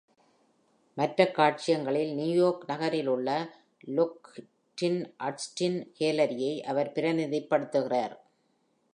மற்ற காட்சியகங்களில், நியூயார்க் நகரில் உள்ள லுஹ்ரிங் அகஸ்டின் கேலரியை அவர் பிரதிநிதித்துவப்படுத்துகிறார்.